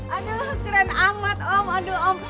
aduh keren amat om adu om